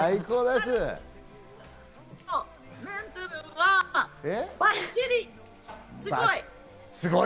すごい！